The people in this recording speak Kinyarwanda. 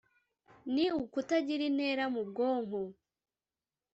ni ukutagira intera mu bwonko